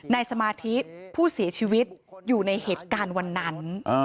สมาธิผู้เสียชีวิตอยู่ในเหตุการณ์วันนั้น